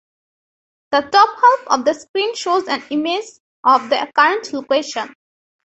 The top half of the screen shows an image of the current location.